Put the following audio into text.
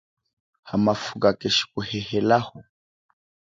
Hamafuka keshikuhehelaho.